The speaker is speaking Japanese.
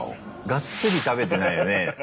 がっつり食べてないよね。